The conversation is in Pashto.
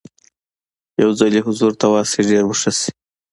یو ځل یې حضور ته ورشئ ډېر به ښه شي.